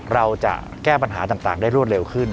เราจะแก้ปัญหาต่างได้รวดเร็วขึ้น